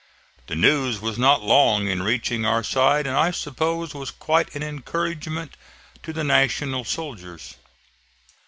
The news was not long in reaching our side and I suppose was quite an encouragement to the National soldiers.